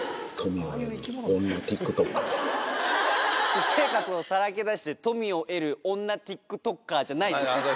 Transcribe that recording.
私生活をさらけ出して富を得る女ＴｉｋＴｏｋｅｒじゃないです。